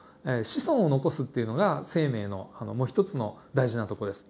子孫を残すっていうのが生命のもう一つの大事なとこです。